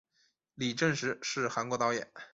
李振石是韩国导演。